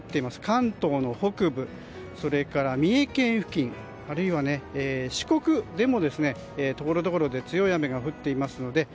関東の北部、それから三重県付近あるいは四国でも、ところどころ強い雨が降っていますので。